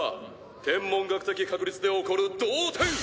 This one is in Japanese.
天文学的確率で起こる同点！